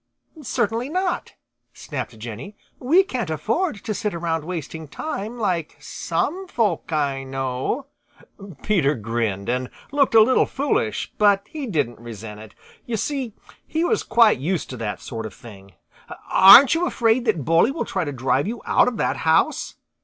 "Certainly not," snapped Jenny "We can't afford to sit around wasting time like some folk I know." Peter grinned and looked a little foolish, but he didn't resent it. You see he was quite used to that sort of thing. "Aren't you afraid that Bully will try to drive you out of that house?"